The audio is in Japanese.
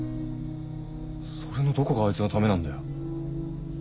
それのどこがあいつのためなんだよ。